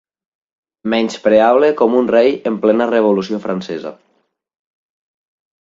Menyspreable com un rei en plena Revolució Francesa.